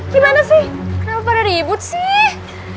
gimana sih kenapa pada ribut sih